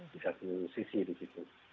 di satu sisi begitu